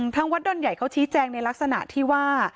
ทางวัดดอนใหญ่เขาชี้แจงในลักษณะที่ว่า